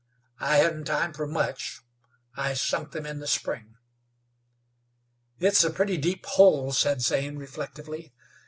"I hedn't time fer much. I sunk them in the spring." "It's a pretty deep hole," said Zane, reflectively.